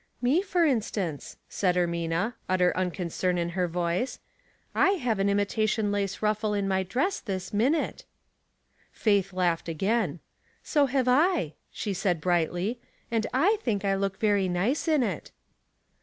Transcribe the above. '*Me, for r.^'fcance," said Ermina, utter uncon cern in her yoice. "I have an imitation lace ruSlo in my dress this minute.' Faith i'Jdghed again. "So have 1," she said, brightly; "and /think I look very nice in it."